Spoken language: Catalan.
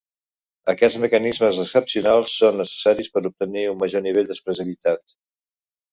Aquests mecanismes excepcionals són necessaris per obtenir un major nivell d'expressivitat.